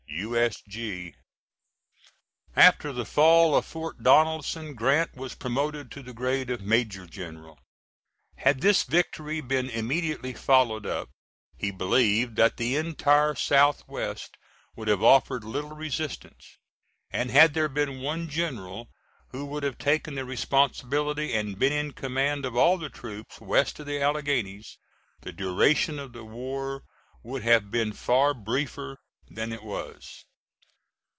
U.S.G. [After the fall of Fort Donelson Grant was promoted to the grade of major general. Had this victory been immediately followed up, he believed that the entire southwest would have offered little resistance; and had there been one general who would have taken the responsibility and been in command of all the troops west of the Alleghanies, the duration of the war would have been far briefer than it was.